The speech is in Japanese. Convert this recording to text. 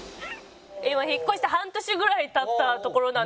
今引っ越して半年ぐらい経ったところなんですけども。